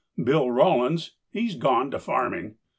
Bill Rawlins, he's gone to farming.